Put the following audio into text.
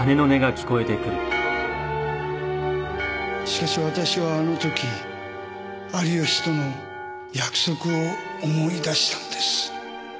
しかし私はあのとき有吉との約束を思い出したのです。